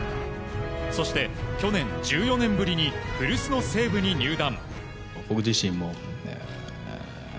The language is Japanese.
そして、去年１４年ぶりに古巣の西武に入団。